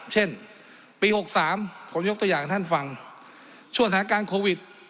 เช่นปี๖๓ผมยกตัวอย่างท่านฟังช่วงสถานการณ์โควิด